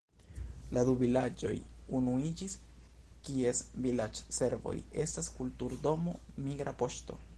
La du vilaĝoj unuiĝis, kies vilaĝservoj estas kulturdomo, migra poŝto.